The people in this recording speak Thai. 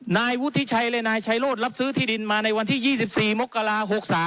นายวุฒิชัยและนายชัยโลศรับซื้อที่ดินมาในวันที่๒๔มกรา๖๓